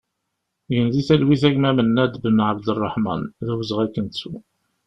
Gen di talwit a gma Menad Benabderreḥman, d awezɣi ad k-nettu!